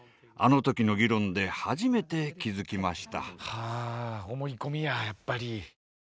はあ思い込みややっぱり。